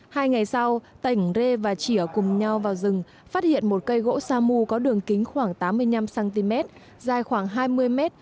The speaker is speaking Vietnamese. hai ngày sau tành rê và chỉa cùng nhau vào rừng phát hiện một cây gỗ samu có đường kính khoảng tám mươi năm cm dài khoảng hai mươi m